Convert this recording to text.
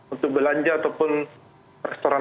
untuk belanja ataupun restoran